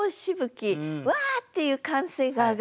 「うわ！」っていう歓声が上がる。